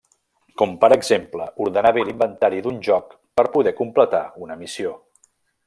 Com per exemple ordenar bé l'inventari d'un joc per poder completar una missió.